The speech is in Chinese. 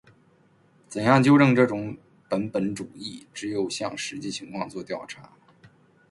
怎样纠正这种本本主义？只有向实际情况作调查。